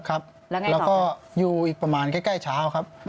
แล้วก็อยู่อีกประมาณใกล้เช้าครับ